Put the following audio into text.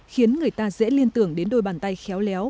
khiến người ta dễ liên tưởng đến đôi bàn tay khéo léo